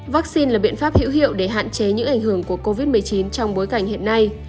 vaccine là biện pháp hữu hiệu để hạn chế những ảnh hưởng của covid một mươi chín trong bối cảnh hiện nay